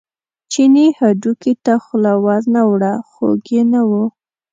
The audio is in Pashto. چیني هډوکي ته خوله ور نه وړه خوږ یې نه و.